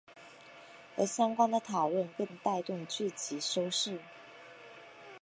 而相关的讨论更带动剧集收视。